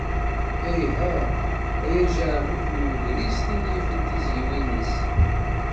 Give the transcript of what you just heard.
Iha, ay ajeɛbub n ugris, tin yifen tizyiwin-is.